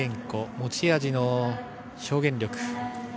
持ち味の表現力。